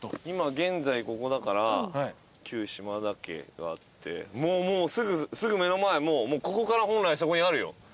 今現在ここだから旧島田家があってもうすぐ目の前ここから本来そこにあるよ。